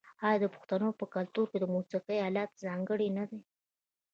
آیا د پښتنو په کلتور کې د موسیقۍ الات ځانګړي نه دي؟